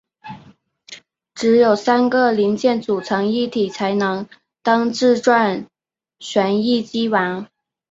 只有三个零件组成一体才能当自转旋翼机玩。